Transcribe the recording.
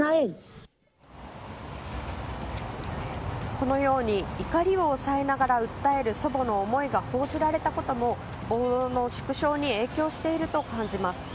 このように怒りを抑えながら訴える祖母の思いが報じられたことも暴動の縮小に影響していると感じます。